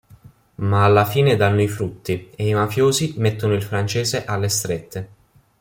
Ma alla fine danno i frutti e i mafiosi mettono il francese alle strette.